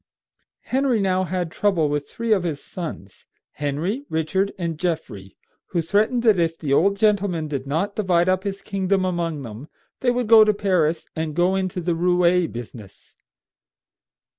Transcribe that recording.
Henry now had trouble with three of his sons, Henry, Richard, and Geoffrey, who threatened that if the old gentleman did not divide up his kingdom among them they would go to Paris and go into the roué business.